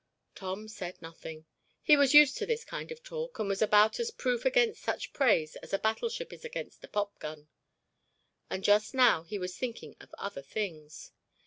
Tom said nothing. He was used to this kind of talk and was about as proof against such praise as a battleship is against a popgun. And just now he was thinking of other things.